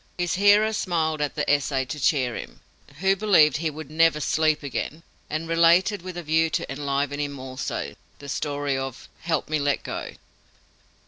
His hearer smiled at the essay to cheer him, who believed he would "never sleep again," and related, with a view to enliven him also, the story of "Help me let go."